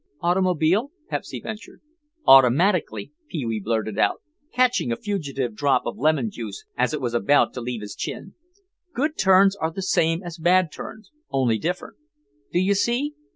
"Automobile?" Pepsy ventured. "Automatically," Pee wee blurted out, catching a fugitive drop of lemon juice as it was about to leave his chin. "Good turns are the same as bad turns, only different. Do you see?